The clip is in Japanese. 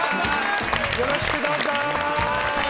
よろしくどうぞ！